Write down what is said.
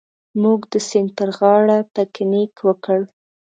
موږ د سیند پر غاړه پکنیک وکړ.